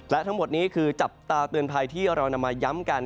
และทั้งหมดนี้คือจับตาเตือนภัยที่เรานำมาย้ำกัน